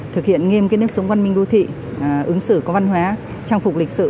thực hiện nghiêm kết nước sống văn minh đô thị ứng xử có văn hóa trang phục lịch sự